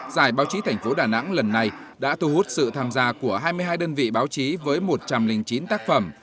giải báo chí thành phố đà nẵng lần này đã thu hút sự tham gia của hai mươi hai đơn vị báo chí với một trăm linh chín tác phẩm